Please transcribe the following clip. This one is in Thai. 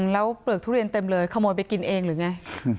แล้วเปลือกทุเรียนเต็มเลยขโมยไปกินเองหรือไง